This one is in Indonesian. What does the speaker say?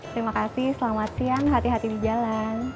terima kasih selamat siang hati hati di jalan